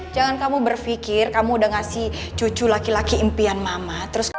jangan kamu berpikir kamu udah ngasih cucu laki laki impian mama